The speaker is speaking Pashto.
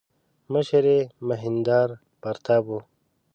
مشر یې مهیندراپراتاپ و.